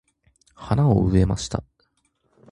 花を植えました。